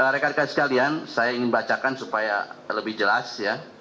rekan rekan sekalian saya ingin bacakan supaya lebih jelas ya